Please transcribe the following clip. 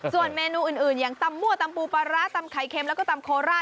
ส่วนเมนูอื่นอย่างตำมั่วตำปูปลาร้าตำไข่เค็มแล้วก็ตำโคราช